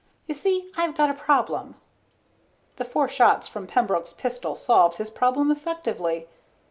"You see, I've got a problem " The four shots from Pembroke's pistol solved his problem effectively.